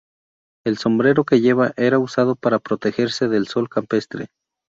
El sombrero que lleva era usado para protegerse del sol campestre.